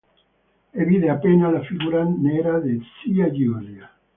E vide a pena la figura nera di zia Giulia.